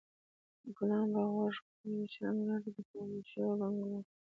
ګلان به غوږ غوږ وي شرنګا ته د خاموشو بنګړو